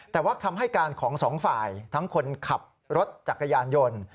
แต่ว่าคำให้การของสองฝ่ายทั้งคนขับรถจักรยานยนต์